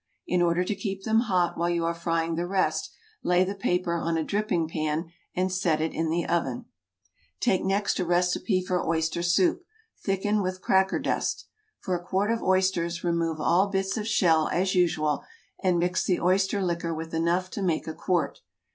In order to keep them hot while you are frying the rest lay the paper on a dripping pan and set it in the oven. Take next a recipe for oyster soup, thickened with cracker dust. For a quart of oysters, remove all bits of shell, as usual, and mix the oyster liquor with enough to make a quart.